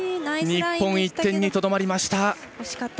日本、１点にとどまりました。